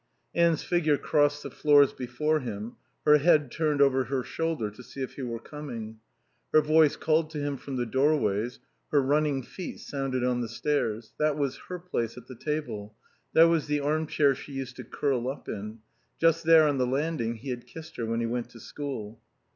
Anne's figure crossed the floors before him, her head turned over her shoulder to see if he were coming; her voice called to him from the doorways, her running feet sounded on the stairs. That was her place at the table; that was the armchair she used to curl up in; just there, on the landing, he had kissed her when he went to school.